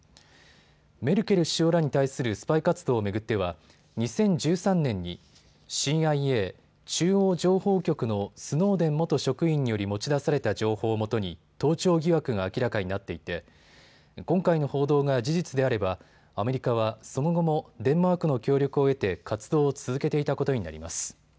メルケル首相らに対するスパイ活動を巡っては２０１３年にＣＩＡ・中央情報局のスノーデン元職員により持ち出された情報をもとに盗聴疑惑が明らかになっていて今回の報道が事実であればアメリカはその後もデンマークの協力を得て活動を続けていたことになります。